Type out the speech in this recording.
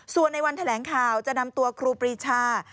ส่วนในวันแถลงข่าวจะนำตัวครูปรีชา